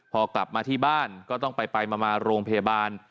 พอกลับมาที่บ้านก็ต้องไปมาโรงพยาบาล